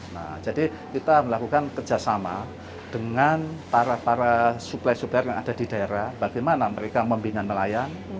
nah jadi kita melakukan kerjasama dengan para para supply supplier yang ada di daerah bagaimana mereka membina nelayan